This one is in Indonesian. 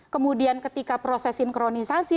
kemudian ketika proses sinkronisasi